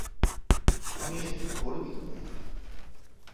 আমি এতে গর্বিত নই।